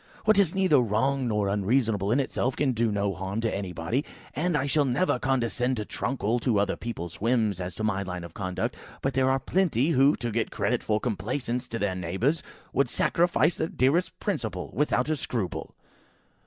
"What is neither wrong nor unreasonable in itself can do no harm to anybody, and I shall never condescend to truckle to other people's whims as to my line of conduct. But there are plenty, who, to get credit for complaisance to their neighbours, would sacrifice their dearest principle without a scruple!"